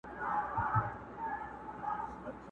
اوس هغه خلک هم لوڅي پښې روان دي؛